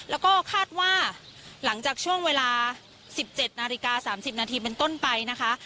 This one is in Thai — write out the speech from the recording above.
แล้วก็คาดว่าหลังจากช่วงเวลา๑๗นาฬิกา๓๐นาทีเป็นต้นไปนะคะ